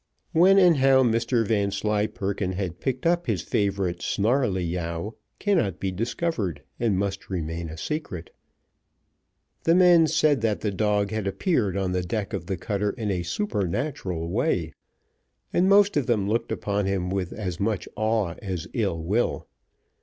[Footnote 1: Pleasure House.] When and how Mr Vanslyperken had picked up his favourite Snarleyyow cannot be discovered, and must remain a secret. The men said that the dog had appeared on the deck of the cutter in a supernatural way, and most of them looked upon him with as much awe as ill will.